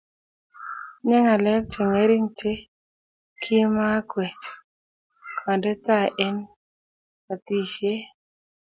Atinye ngalek che ngering' che kimakwech kende tai eng' patishet